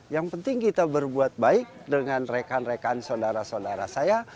yang penting kita berbuat baik dengan rekan rekan saudara saudara saya